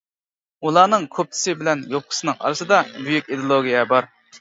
ئۇلارنىڭ كوپتىسى بىلەن يوپكىسىنىڭ ئارىسىدا بۈيۈك ئىدېئولوگىيە بار.